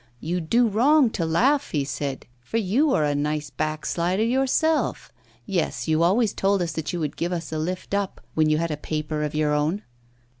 'You do wrong to laugh,' he said, 'for you are a nice backslider yourself. Yes, you always told us that you would give us a lift up when you had a paper of your own.